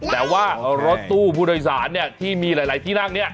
แต่ว่ารถตู้ผู้โดยสารเนี่ยที่มีหลายที่นั่งเนี่ย